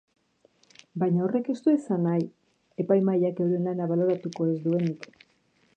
Baina horrek ez du esan nahi epaimahaiak euren lana baloratuko ez duenik.